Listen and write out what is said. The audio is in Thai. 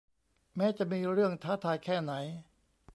แม้จะมีเรื่องท้าทายแค่ไหน